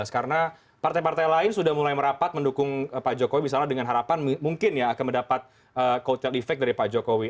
karena partai partai lain sudah mulai merapat mendukung pak jokowi misalnya dengan harapan mungkin ya akan mendapat kautel efek dari pak jokowi